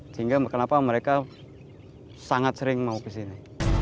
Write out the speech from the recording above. sehingga kenapa mereka sangat sering mau ke sini